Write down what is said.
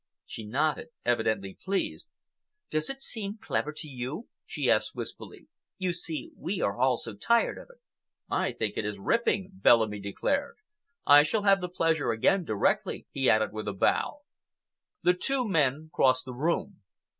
She nodded, evidently pleased. "Does it seem clever to you?" she asked wistfully. "You see, we are all so tired of it." "I think it is ripping," Bellamy declared. "I shall have the pleasure again directly," he added, with a bow. The two men crossed the room.